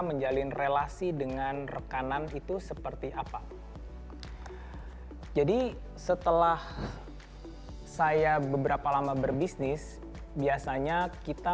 menjalin relasi dengan rekanan itu seperti apa jadi setelah saya beberapa lama berbisnis biasanya kita